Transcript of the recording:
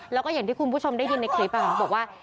แล้วก็อย่างที่คุณผู้ชมได้ยินในคลิปบอกว่า